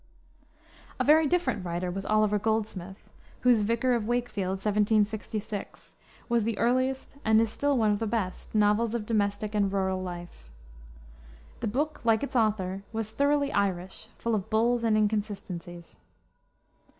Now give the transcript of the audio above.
A very different writer was Oliver Goldsmith, whose Vicar of Wakefield, 1766, was the earliest, and is still one of the best, novels of domestic and rural life. The book, like its author, was thoroughly Irish, full of bulls and inconsistencies.